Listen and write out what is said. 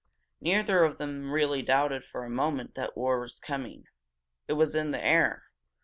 Neither of them really doubted for a moment that war was coming. It was in the air.